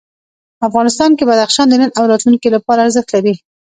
افغانستان کې بدخشان د نن او راتلونکي لپاره ارزښت لري.